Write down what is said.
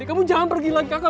kamu jangan pergi lagi kakak